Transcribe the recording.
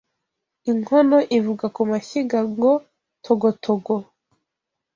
Inkono ivuga ku mashyiga ngo:Togotogo